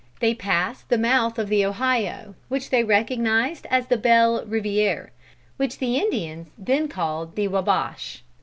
They passed the mouth of the Ohio, which they recognized as the Belle Rivière, which the Indians then called the Wabash.